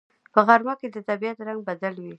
په غرمه کې د طبیعت رنگ بدل وي